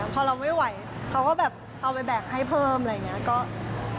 พอเราไม่ไหวเขาก็แบบเอาไปแบกให้เพิ่มอะไรอย่างนี้